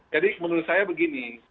jadi menurut saya begini